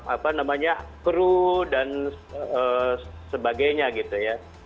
apa namanya kru dan sebagainya gitu ya